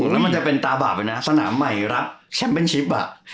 แล้วมันจะเป็นตาบาปเลยนะสนามใหม่รับแชมป์เป็นชิปอ่ะ